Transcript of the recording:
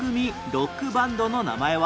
ロックバンドの名前は？